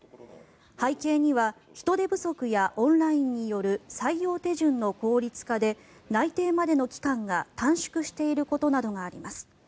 背景には人手不足やオンラインによる採用手順の効率化で内定までの期間が短縮していることなどがあります。